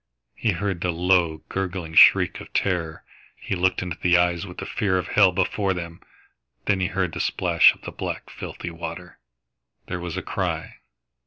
He heard the low, gurgling shriek of terror; he looked into the eyes with the fear of hell before them! Then he heard the splash of the black, filthy water. There was a cry.